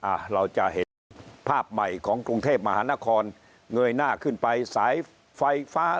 อ่ะเราจะเห็นภาพใหม่ของกรุงเทพมหานครเงยหน้าขึ้นไปสายไฟฟ้า